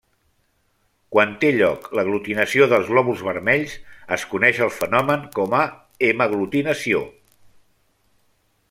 Quan té lloc l'aglutinació dels glòbuls vermells, es coneix el fenomen com a hemaglutinació.